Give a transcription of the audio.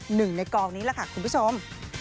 หนึ่งในกองนี้แหละค่ะคุณผู้ชม